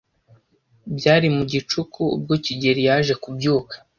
Byari mu gicuku ubwo kigeli yaje kubyuka.